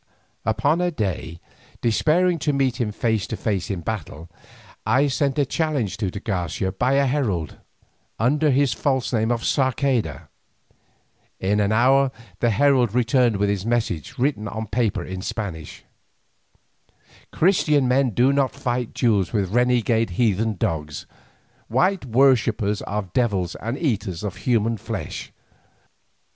Upon a day, despairing of meeting him face to face in battle, I sent a challenge to de Garcia by a herald, under his false name of Sarceda. In an hour the herald returned with this message written on paper in Spanish: "Christian men do not fight duels with renegade heathen dogs, white worshippers of devils and eaters of human flesh.